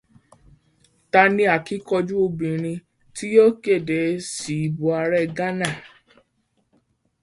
Tani akíkanjú obìnrin tí yóò kéde èsì ìbò aàrẹ Ghana?